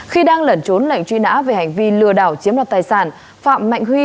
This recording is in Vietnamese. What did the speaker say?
khi đang lẩn trốn lệnh truy nã về hành vi lừa đảo chiếm đoạt tài sản phạm mạnh huy